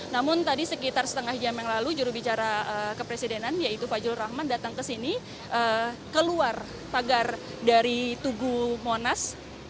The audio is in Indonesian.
namun tadi sekitar setengah jam yang lalu jurubicara kepresidenan yaitu fajrul rahman datang ke sini keluar pagar dari tugu monas